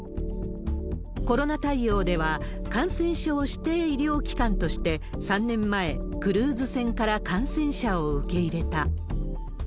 コロナ対応では、感染症指定医療機関として、３年前、クルーズ船から感染者を受け入れた。